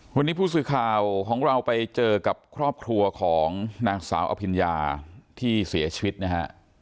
วันนี้ผู้สื่อข่าวของเราไปเจอกับครอบครัวของนางสาวอภิญญาที่เสียชีวิตนะฮะ